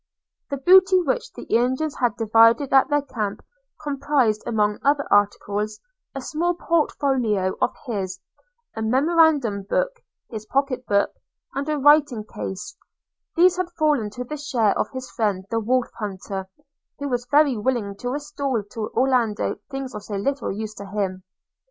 The booty which the Indians had divided at their camp comprised, among other articles, a small port folio of his, a memorandum book, his pocket book, and a writing case: these had fallen to the share of his friend the Wolf hunter, who was very willing to restore to Orlando things of so little use to himself.